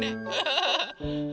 フフフフ。